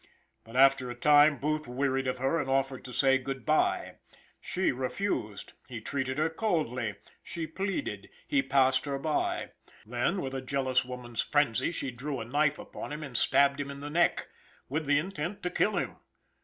But, after a time, Booth wearied of her and offered to say "good by." She refused he treated her coldly; she pleaded he passed her by. Then, with a jealous woman's frenzy, she drew a knife upon him and stabbed him in the neck, with the intent to kill him.